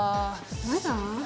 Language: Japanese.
まだ？